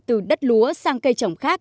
từ đất lúa sang cây trồng khác